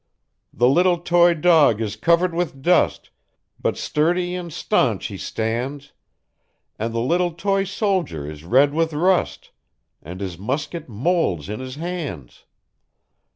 "The little toy dog is covered with dust, But sturdy and stanch he stands; And the little toy soldier is red with rust, And his musket molds in his hands.